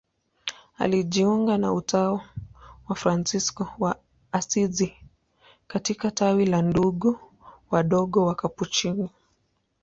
Alijiunga na utawa wa Fransisko wa Asizi katika tawi la Ndugu Wadogo Wakapuchini.